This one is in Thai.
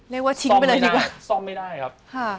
เรียกว่าทิ้งไปเลยดีกว่าซ่อมไม่ได้ครับค่ะ